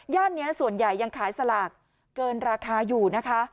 นี้ส่วนใหญ่ยังขายสลากเกินราคาอยู่นะคะ